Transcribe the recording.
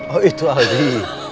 oh itu aldi